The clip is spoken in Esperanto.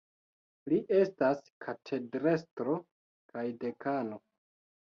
Li estas katedrestro kaj dekano.